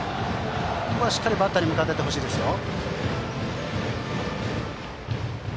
しっかりバッターに向かっていってほしいですよ。